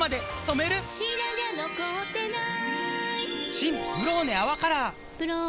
新「ブローネ泡カラー」「ブローネ」